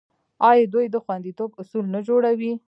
آیا دوی د خوندیتوب اصول نه جوړوي؟